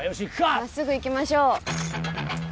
真っすぐ行きましょう。